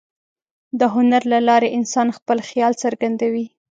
د هنر له لارې انسان خپل خیال څرګندوي.